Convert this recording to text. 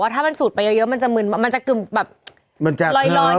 ถ้ามันสูดไปเยอะมันจะมึนมันจะรอยรอยนิดนึง